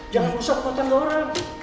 jangan rusak rumah tangga orang